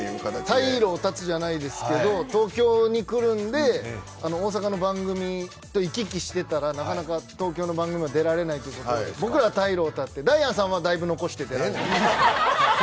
退路を断つじゃないですけど東京に来るんで大阪の番組と行き来してたらなかなか東京の番組にも出られないということで僕ら退路を断って。